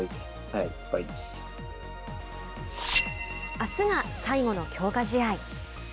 あすが最後の強化試合。